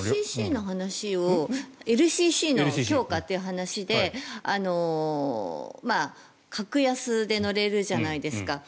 ＬＣＣの強化という話で格安で乗れるじゃないですか。